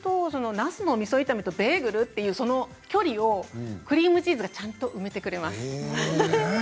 なすのみそ炒めとベーグルとの距離をクリームチーズがちゃんと埋めてくれます。